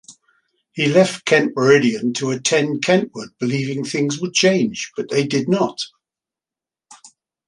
He left Kent-Meridian to attend Kentwood believing things would change, but they did not.